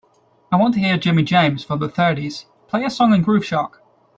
I want to hear Jimmy James from the thirties, play a song on Groove Shark.